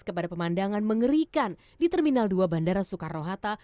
kepada pemandangan mengerikan di terminal dua bandara soekarno hatta